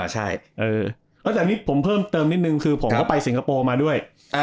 แต่อันนี้ผมเพิ่มเติมนิดนึงผมก็ไปสิงคโปร์มาด้วย